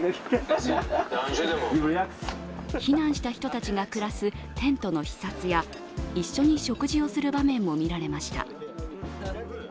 避難した人たちが暮らすテントの視察や一緒に食事をする場面も見られました。